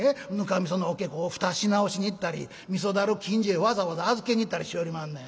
味噌の桶こう蓋し直しに行ったり味噌樽を近所へわざわざ預けに行ったりしよりまんねん。